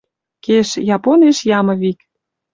Кеш, японеш ямы вик